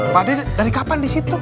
pak d dari kapan di situ